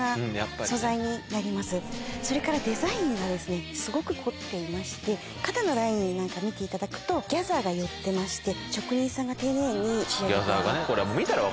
それからデザインがすごく凝っていまして肩のラインなんか見ていただくとギャザーが寄ってまして。